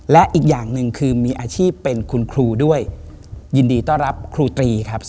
และอีกอย่างหนึ่งคือมีอาชีพเป็นคุณครูด้วยยินดีต้อนรับครูตรีครับ